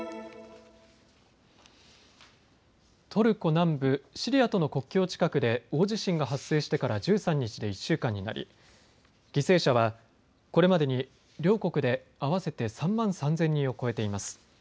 トルコ南部、シリアとの国境近くで大地震が発生してから１３日で１週間になり犠牲者はこれまでに両国で合わせて３万３０００人を超えています。